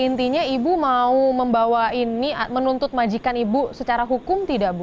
intinya ibu mau membawa ini menuntut majikan ibu secara hukum tidak bu